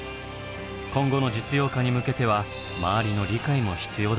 今後の実用化に向けては周りの理解も必要だといいます。